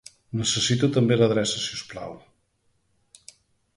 Necessito també l'adreça, si us plau.